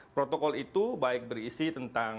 protokol itu baik berisi tentang